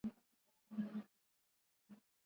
Mola hawaachi waja wake